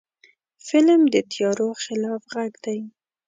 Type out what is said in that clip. فلم د تیارو خلاف غږ دی